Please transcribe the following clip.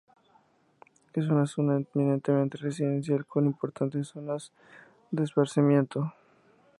Es una zona eminentemente residencial, con importantes zonas de esparcimiento.